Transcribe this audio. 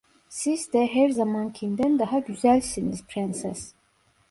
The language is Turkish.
Siz de her zamankinden daha güzelsiniz, Prenses!